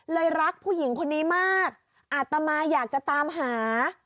รักผู้หญิงคนนี้มากอาตมาอยากจะตามหา